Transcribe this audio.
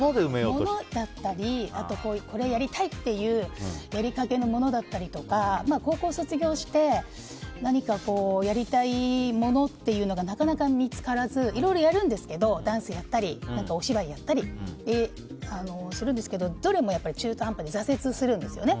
物だったりこれをやりたいっていうやりかけのものだったりとか高校卒業して何かやりたいものっていうのがなかなか見つからずいろいろやるんですけどダンスやったりお芝居やったりするんですけどどれも中途半端で挫折するんですよね。